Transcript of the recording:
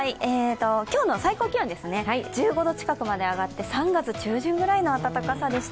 今日の最高気温ですね、１５度近くまで上がって３月中旬ぐらいの暖かさでした。